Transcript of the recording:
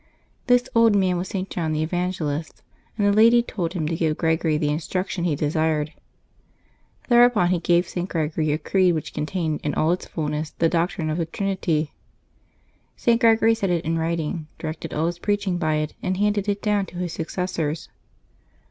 This old man was St. John the Evangelist, and the lady told him to give Gregory the instruction he desired. Thereupon he gave St. Gregory a creed which contained in all its fulness the doctrine of the Trinity. St. Gregory set it in writing, directed all his preaching by it, and handed it down to his successors.